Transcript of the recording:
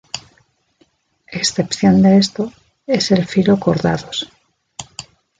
Excepción de esto es el Filo Cordados.